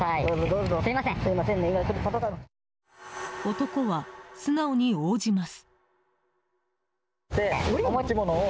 男は素直に応じます。